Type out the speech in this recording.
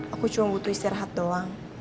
aku cuma butuh istirahat doang